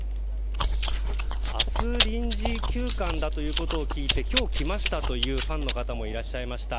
明日、臨時休館だということを聞いて今日来ましたというファンの方もいました。